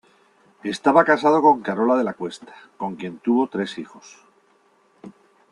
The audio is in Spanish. Estaba casado con Carola de la Cuesta, con quien tuvo tres hijos.